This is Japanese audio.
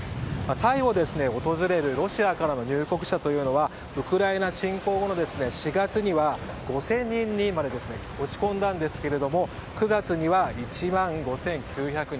タイを訪れるロシアからの入国者というのはウクライナ侵攻後の４月には５０００人にまで落ち込んだんですけれども９月には１万５９００人。